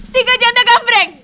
tiga janda gambreng